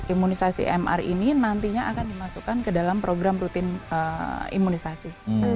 imunisasi mr ini nantinya akan dimasukkan ke dalam program rutin imunisasi